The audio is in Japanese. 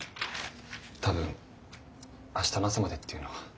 多分明日の朝までっていうのは。